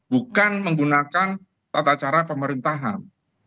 bukan menggunakan tata cara pemerintahan